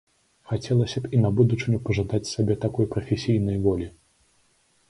Хацелася б і на будучыню пажадаць сабе такой прафесійнай волі.